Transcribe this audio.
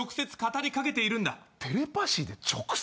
テレパシーで直接？